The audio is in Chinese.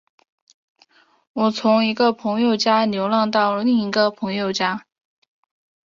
我从一个朋友家流浪到另一个朋友家。